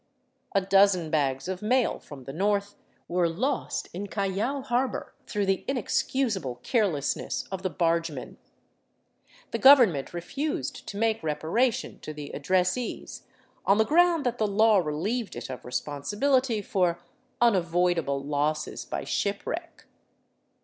A dozen bags of mail from the north were lost in Callao harbor through the inexcusable carelessness of the barge men ; the government refused to make reparation to the addressees on the ground that the law relieved it of responsibility for " unavoidable 'osses by shipwreck!"